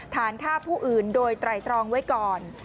ฐานฆ่าผู้อื่นโดยไตรตรองไว้ก่อน